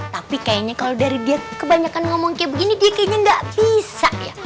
tapi kayaknya kalau dari dia kebanyakan ngomong kayak begini dia kayaknya nggak bisa ya